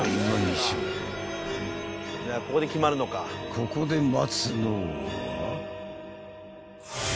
［ここで待つのは］